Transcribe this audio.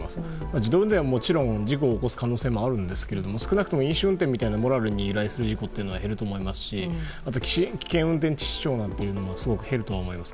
自動運転はもちろん、事故を起こす可能性はありますけど少なくとも飲酒運転のようなモラルに反する事故というのは減ると思いますし危険運転致死傷なんていうのもすごく減ると思います。